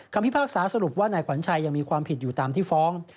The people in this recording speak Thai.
พิพากษาสรุปว่านายขวัญชัยยังมีความผิดอยู่ตามที่ฟ้อง